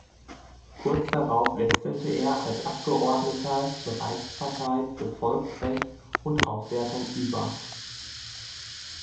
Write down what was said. Kurz darauf wechselte er als Abgeordneter zur Reichspartei für Volksrecht und Aufwertung über.